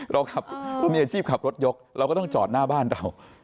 เรามีอาชีพขับรถยกเราก็ต้องจอดหน้าบ้านเรา